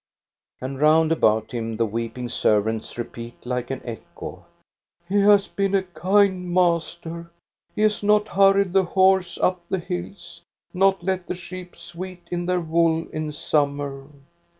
And round about him the weeping servants repeat like an echo: " He has been a kind master. He has not hurried the horse up the hills, nor let the sheep sweat in their woo! in summer."